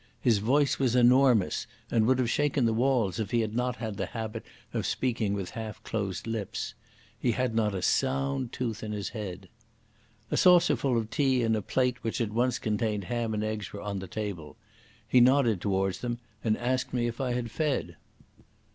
His voice was enormous and would have shaken the walls if he had not had the habit of speaking with half closed lips. He had not a sound tooth in his head. A saucer full of tea and a plate which had once contained ham and eggs were on the table. He nodded towards them and asked me if I had fed.